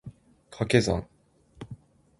掛け算